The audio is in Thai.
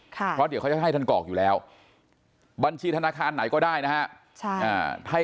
เพราะเดี๋ยวเขาจะให้ท่านกรอกอยู่แล้วบัญชีธนาคารไหนก็ได้นะฮะ